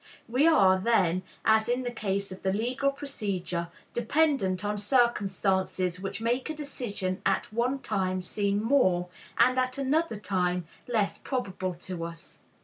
We are, then, as in the case of the legal procedure, dependent on circumstances which make a decision at one time seem more, and at another time, less probable to us.